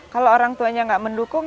kalau orang tuanya nggak mendukung